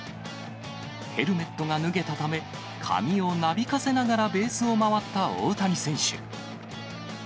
ヘルメットが脱げたため、髪をなびかせながらベースを回った大谷選手。